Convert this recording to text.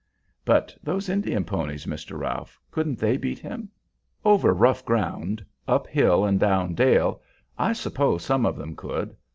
"But those Indian ponies, Mr. Ralph, couldn't they beat him?" "Over rough ground up hill and down dale I suppose some of them could.